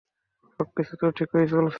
সবকিছুতো ঠিকই চলছে।